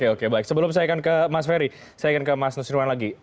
oke baik sebelum saya akan ke mas ferry saya akan ke mas nusrimwan lagi